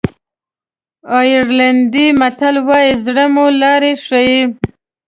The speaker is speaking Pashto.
آیرلېنډي متل وایي زړه مو لاره ښیي.